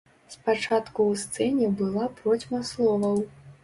Спачатку ў сцэне была процьма словаў.